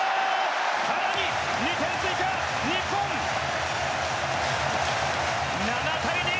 更に２点追加７対２